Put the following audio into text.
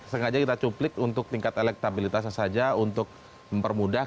sengaja kita cuplik untuk tingkat elektabilitasnya saja untuk mempermudah